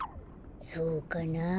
そうかなあ。